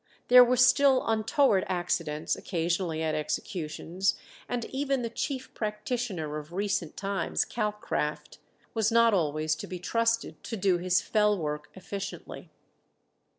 There were still untoward accidents occasionally at executions, and even the chief practitioner of recent times, Calcraft, was not always to be trusted to do his fell work efficiently.